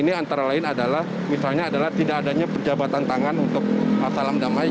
ini antara lain adalah misalnya adalah tidak adanya perjabatan tangan untuk salam damai